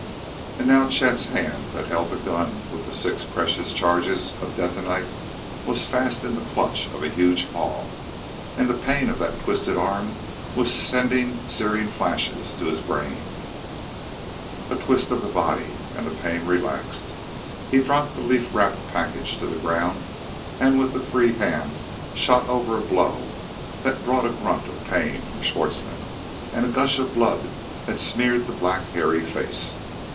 And now Chet's hand that held the gun with the six precious charges of detonite was fast in the clutch of a huge paw, and the pain of that twisted arm was sending searing flashes to his brain. [Illustration: With the free hand he shot over a blow.] A twist of the body, and the pain relaxed. He dropped the leaf wrapped package to the ground, and, with the free hand, shot over a blow that brought a grunt of pain from Schwartzmann and a gush of blood that smeared the black, hairy face.